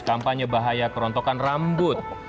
kampanye bahaya kerontokan rambut